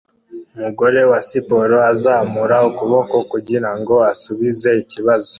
Umugore wa siporo azamura ukuboko kugirango asubize ikibazo